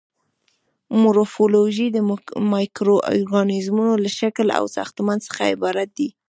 مورفولوژي د مایکرو ارګانیزمونو له شکل او ساختمان څخه عبارت دی.